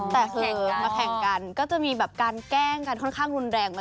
แต่แข่งมาแข่งกันก็จะมีการแกล้งกันค่อนข้างรุนแรงมาก